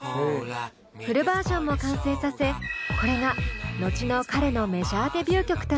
フルバージョンも完成させこれが後の彼のメジャーデビュー曲となります。